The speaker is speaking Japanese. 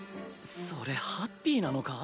それハッピーなのか？